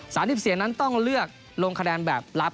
สิบเสียงนั้นต้องเลือกลงคะแนนแบบลับ